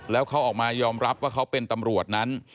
แล้วเขาออกมายอมรับว่าเขาเป็นตำรวจนั้น